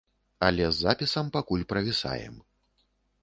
Але з запісам пакуль правісаем.